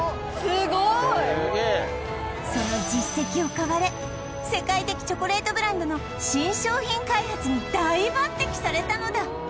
その実績を買われ世界的チョコレートブランドの新商品開発に大抜擢されたのだ！